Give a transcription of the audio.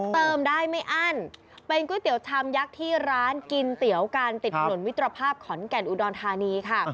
เติมได้ไม่อั้นเป็นก๋วยเตี๋ยวชามยักษ์ที่ร้านกินเตี๋ยวกันติดถนนมิตรภาพขอนแก่นอุดรธานีค่ะ